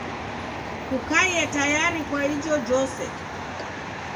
Kukaie tayari kwa ijojose.